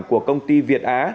của công ty việt á